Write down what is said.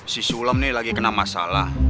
si sulam nih lagi kena masalah